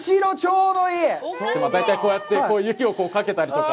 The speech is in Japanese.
こうやって雪をかけたりとか。